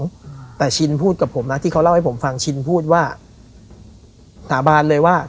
อืมแต่ชินพูดกับผมนะที่เขาเล่าให้ผมฟังชินพูดว่าสาบานเลยว่า